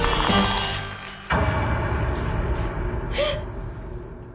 えっ！？